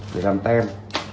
để làm tem